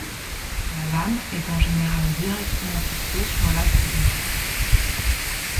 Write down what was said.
La lame est en général directement fixée sur l'axe du moteur.